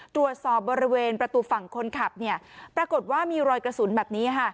ตรวจสอบบริเวณประตูฝั่งคนขับปรากฏว่ามีรอยกระสุนแบบนี้ค่ะ